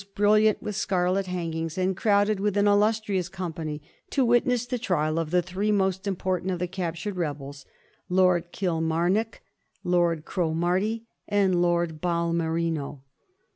brilliant with scarlet hangings, and crowded with an il lustrious company, to witness the trial of the three most important of the captured rebels, Lord Kilmarnock, Lord Cromarty, and Lord Balmerino.